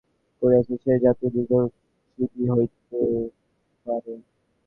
ইন্দ্রিয়-সুখের বাসনা যে-জাতি ত্যাগ করিয়াছে, সেই জাতিই দীর্ঘজীবী হইতে পারে।